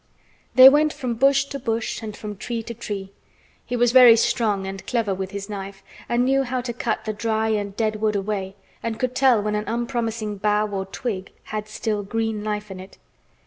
They went from bush to bush and from tree to tree. He was very strong and clever with his knife and knew how to cut the dry and dead wood away, and could tell when an unpromising bough or twig had still green life in it.